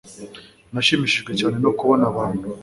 Nashimishijwe cyane no kubona abantu